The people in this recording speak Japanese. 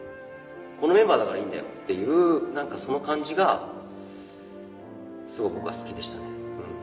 このメンバーだからいいんだよっていうその感じがすごく僕は好きでしたね。